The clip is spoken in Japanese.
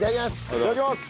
いただきます！